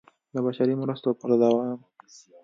د بشري مرستو پر دوام